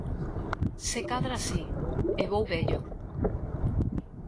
Se cadra si, e vou vello.